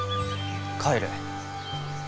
帰る。